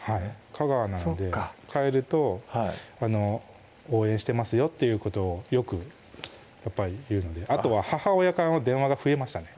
香川なので帰ると「応援してますよ」っていうことをよくやっぱり言うのであとは母親からの電話が増えましたね